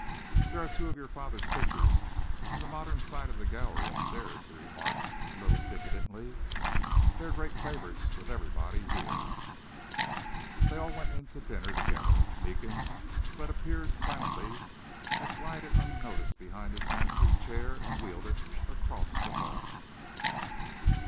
"There are two of your father's pictures in the modern side of the gallery up stairs," he remarked, a little diffidently. "They are great favourites with everybody here." They all went in to dinner together. Meekins, who had appeared silently, had glided unnoticed behind his master's chair and wheeled it across the hall.